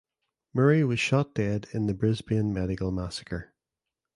Murray was shot dead in the "Brisbane medical massacre".